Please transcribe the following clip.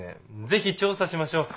ぜひ調査しましょう。